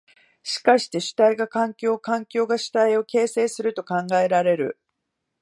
しかして主体が環境を、環境が主体を形成すると考えられる。